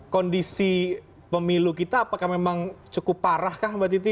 kondisi pemilu kita apakah memang cukup parah kah mbak titi